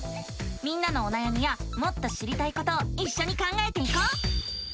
みんなのおなやみやもっと知りたいことをいっしょに考えていこう！